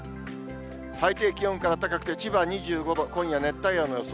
最低気温から高くて、千葉２５度、今夜、熱帯夜の予想。